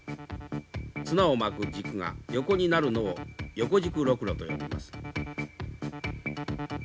綱を巻く軸が横になるのを横軸ロクロと呼びます。